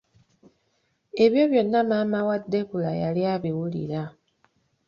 Ebyo byonna maama wa debula yali abiwulira.